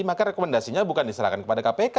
maka rekomendasinya bukan diserahkan kepada kpk